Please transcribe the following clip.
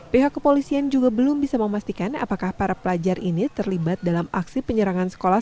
pihak kepolisian juga belum bisa memastikan apakah para pelajar ini terlibat dalam aksi penyerangan sekolah